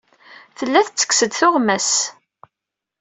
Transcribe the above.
Tella tettekkes-d tuɣmas.